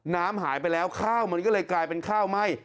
น้ำหายไปแล้วข้าวมันก็เลยกลายเป็นข้าวไหม้